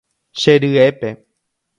Che ryépe.